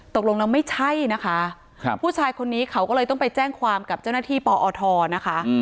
ตกลงแล้วไม่ใช่นะคะผู้ชายคนนี้เขาก็เลยต้องไปแจ้งความกับเจ้าหน้าที่ปอทนะคะ